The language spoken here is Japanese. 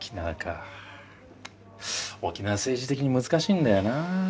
沖縄は政治的に難しいんだよな。